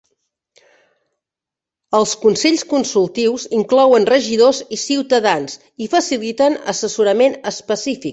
Els consells consultius inclouen regidors i ciutadans i faciliten assessorament específic.